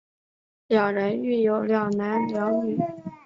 两人育有两男两女。